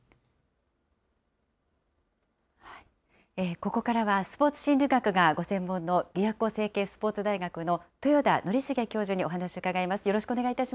ここからは、スポーツ心理学がご専門のびわこ成蹊スポーツ大学の豊田則成教授にお話を伺います。